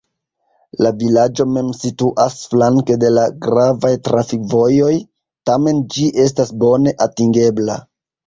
La vilaĝo mem situas flanke de la gravaj trafikvojoj, tamen ĝi estas bone atingebla.